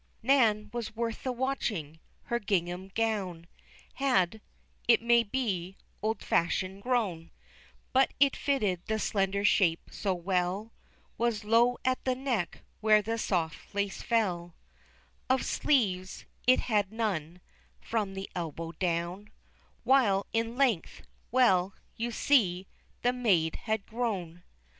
Nan was worth the watching, her gingham gown Had, it may be, old fashioned grown, But it fitted the slender shape so well, Was low at the neck where the soft lace fell; Of sleeves, it had none, from the elbow down, While in length well, you see, the maid had grown.